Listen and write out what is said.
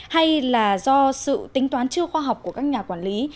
hay là do sự tính toán chưa khoa học của các nhà quản lý